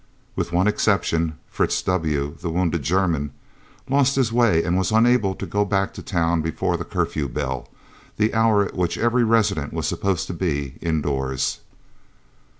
With one exception. Fritz W., the wounded German, lost his way and was unable to go back to town before the curfew bell, the hour at which every resident was supposed to be indoors.